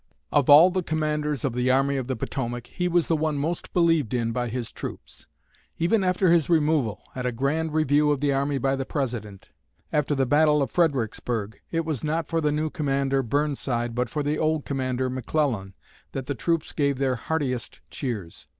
Of all the commanders of the Army of the Potomac, he was the one most believed in by his troops. Even after his removal, at a grand review of the army by the President, after the battle of Fredericksburg, it was not for the new commander, Burnside, but the old commander, McClellan, that the troops gave their heartiest cheers.